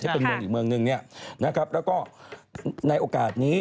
เพื่อเป็นเมืองอีกเมืองนึงนะครับและก็ในโอกาสนี้